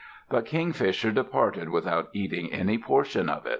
But Kingfisher departed without eating any portion of it.